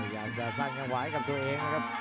อยากจะสร้างอย่างหวายกับตัวเองนะครับ